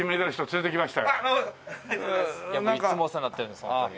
やっぱいつもお世話になってるんですホントに。